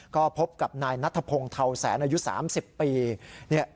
ก็พบกับนายนัทพงศ์เทาแสนอายุ๓๐ปี